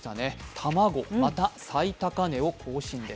卵、また最高値を更新です。